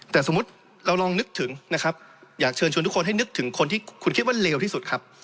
แต่สมมุติเราลองนึกถึงนะครับอยากเชิญชวนทุกคนให้นึกถึงคนที่คุณคิดว่าเลวที่สุดครับ